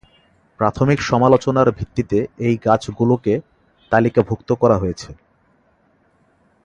প্রাথমিক সমালোচনার ভিত্তিতে এই গাছগুলোকে তালিকাভুক্ত করা হয়েছে।